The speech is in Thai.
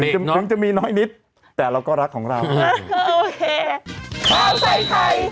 ถึงจะมีน้อยนิดแต่เราก็รักของเรา